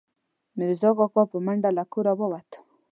میرزا کاکا، په منډه له کوره ووت